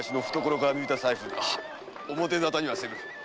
表沙汰にはせぬ参ろう。